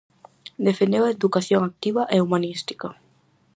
Defendeu a educación activa e humanística.